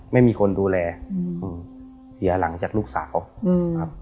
ไม่มีคนดูแลอืมเสียหลังจากลูกสาวครับ